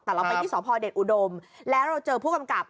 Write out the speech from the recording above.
แต่เราไปที่สพเดชอุดมแล้วเราเจอผู้กำกับ